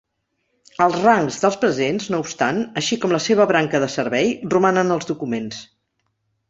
Els rangs dels presents, no obstant, així com la seva branca de servei, roman en els documents.